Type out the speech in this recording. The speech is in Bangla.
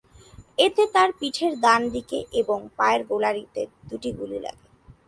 এতে তাঁর পিঠের ডান দিকে এবং পায়ের গোড়ালিতে দুটি গুলি লাগে।